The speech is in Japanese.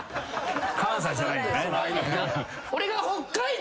関西じゃないよね。